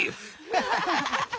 ハハハハハ。